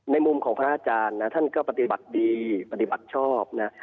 มุมของพระอาจารย์นะท่านก็ปฏิบัติดีปฏิบัติชอบนะ